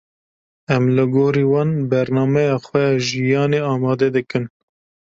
Em li gorî wan, bernameya xwe ya jiyanê amade dikin.